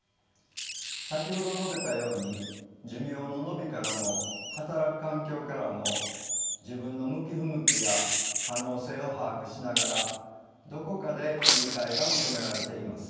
先ほど述べたように寿命の延びからも働く環境からも自分の向き不向きや可能性を把握しながらどこかで切り替えが求められています。